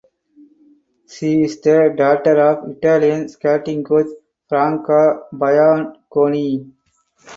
She is the daughter of Italian skating coach Franca Bianconi.